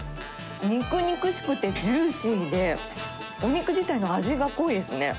肉肉しくてジューシーで、お肉自体の味が濃いですね。